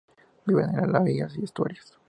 Vive en las bahías y estuarios.